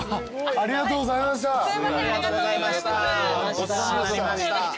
ありがとうございます。